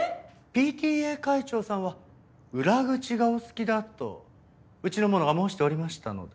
ＰＴＡ会長さんは裏口がお好きだとうちの者が申しておりましたので。